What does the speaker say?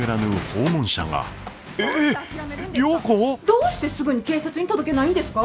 どうしてすぐに警察に届けないんですか？